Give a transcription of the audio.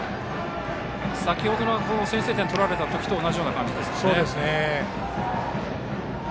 先程先制点を取られた時と同じような感じですかね。